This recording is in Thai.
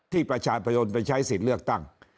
ที่ประชาชนไปใช้สิทธิ์เลือกตั้ง